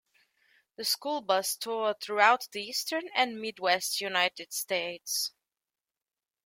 The school bus toured throughout the Eastern and Midwestern United States.